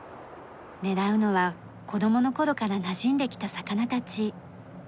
狙うのは子供の頃からなじんできた魚たち。